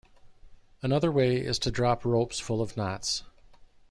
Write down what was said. Another way is to drop ropes full of knots.